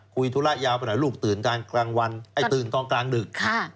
ธุระยาวไปหน่อยลูกตื่นกลางวันไอ้ตื่นตอนกลางดึก